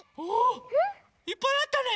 いっぱいあったね！